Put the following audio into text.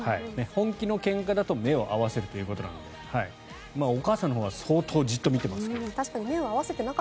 本気のけんかだと目を合わせるということでお母さんのほうが相当じっと見てますが。